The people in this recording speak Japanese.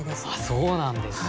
そうなんですか。